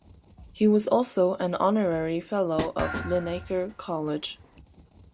He was also an honorary fellow of Linacre College.